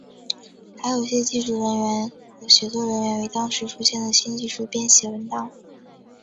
还有些技术传播人员和写作人员为当时出现的新技术编写文档。